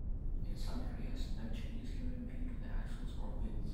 In some areas, no changes can be made to the axles or wheels.